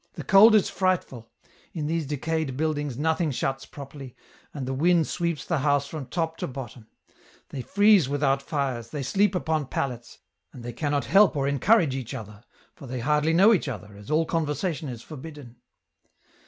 The cold is frightful ; in these decayed buildings nothing shuts properly, and the wind sweeps the house from top to bottom ; they freeze without fires, they sleep upon pallets, and they cannot help or encourage each other, for they hardly know each other, as all conversation is forbidden.